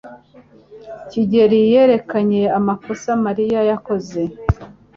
Kigeri yerekanye amakosa Mariya yakoze.